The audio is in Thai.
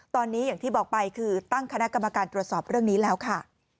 ตอนนี้อย่างที่บอกไปคือตั้งคณะกรรมการตรวจสอบเรื่องนี้แล้วค่ะ